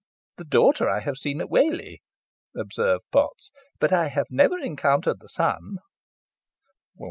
"The daughter I have seen at Whalley," observed Potts; "but I have never encountered the son."